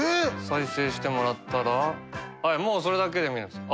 再生してもらったらもうそれだけで見れます。